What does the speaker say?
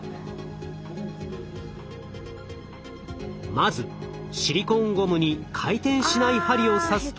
まずシリコーンゴムに回転しない針を刺すと。